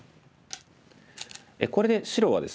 これで白はですね